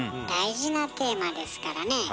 大事なテーマですからね